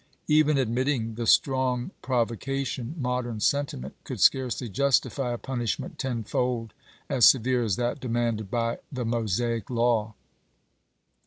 Even admitting the strong provoca 1862. tioD, modern sentiment could scarcely justify a punishment tenfold as severe as that demanded by the Mosaic law.